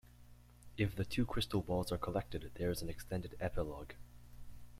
If the two crystal balls are collected, there is an extended epilogue.